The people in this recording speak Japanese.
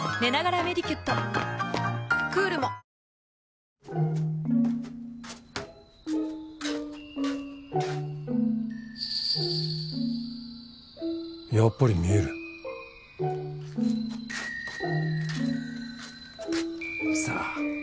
あなたもやっぱり見えるさあ